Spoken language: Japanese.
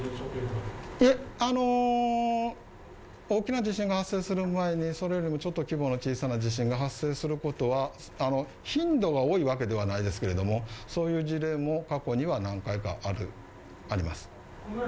大きな地震が発生する前にそれよりちょっと小さな地震が発生することが頻度は多いわけではないですけれども、そういう事例も過去には何回かあります。